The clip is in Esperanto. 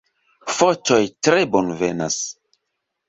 Fotoj tre bonvenas.